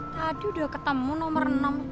tadi udah ketemu nomor enam